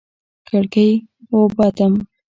کړکۍ و اوبدم